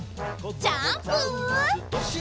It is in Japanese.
ジャンプ！